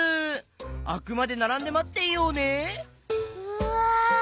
あくまでならんでまっていようねうわ